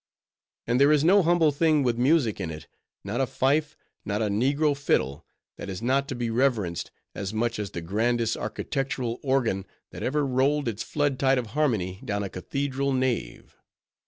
And there is no humble thing with music in it, not a fife, not a negro fiddle, that is not to be reverenced as much as the grandest architectural organ that ever rolled its flood tide of harmony down a cathedral nave.